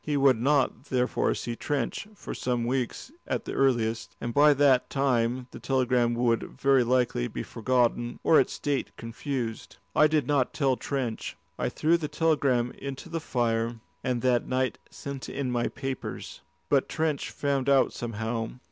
He would not, therefore, see Trench for some weeks at the earliest, and by that time the telegram would very likely be forgotten or its date confused. I did not tell Trench. I threw the telegram into the fire, and that night sent in my papers. But Trench found out somehow.